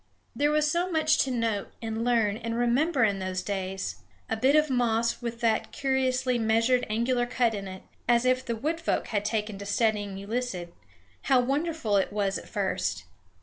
There was so much to note and learn and remember in those days! A bit of moss with that curiously measured angular cut in it, as if the wood folk had taken to studying Euclid, how wonderful it was at first!